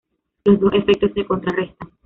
Los dos efectos se contrarrestan.